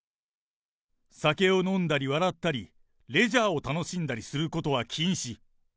酒を飲んだり、笑ったり、レジャーを楽しんだりすることは禁止。